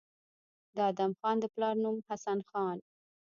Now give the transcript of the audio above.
د ادم خان د پلار نوم حسن خان